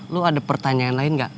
lu ada pertanyaan lain gak